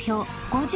５０